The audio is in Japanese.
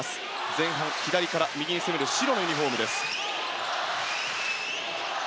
前半、左から右に攻める白のユニホームです。